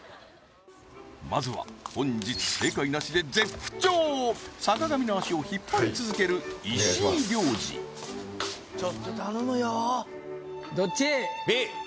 まずは本日正解なしで絶不調坂上の足を引っ張り続けるちょっとどっち？